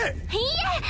いいえ！